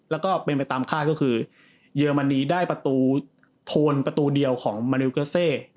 แล้วก็เป็นไปตามคาดก็คือเยอรมนีได้ประตูโทนประตูเดียวของมาริวเกอร์เซ